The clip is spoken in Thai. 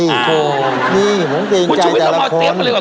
นี่ผมจริงใจแต่ละคนคุณชีวิตเรามาเตรียมไปเลยก่อน